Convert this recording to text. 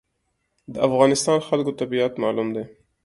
د افغانستان خلکو طبیعت معلوم دی.